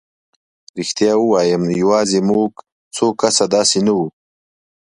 رښتیا ووایم یوازې موږ څو کسه داسې نه وو.